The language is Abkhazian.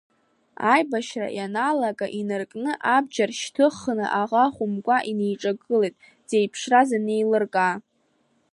Аибашьра ианалага инаркны, абџьар шьҭыхны, аӷа хәымга инеиҿагылеит, дзеиԥшраз анеилыркаа.